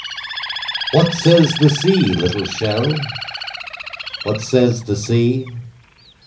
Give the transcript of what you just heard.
What says the sea, little shell? "What says the sea?